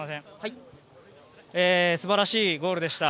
素晴らしいゴールでした。